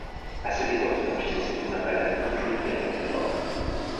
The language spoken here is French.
À cette époque il enregistre ses premières balades country et rock'n'roll.